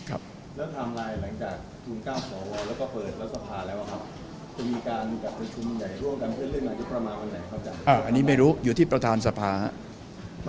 อันนี้ไม่รู้อยู่ที่ประธานสภาครับ